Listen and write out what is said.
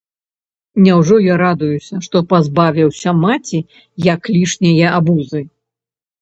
Няўжо я радуюся, што пазбавіўся маці, як лішняе абузы?